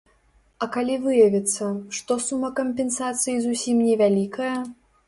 А калі выявіцца, што сума кампенсацыі зусім невялікая?